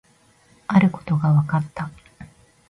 あることが分かった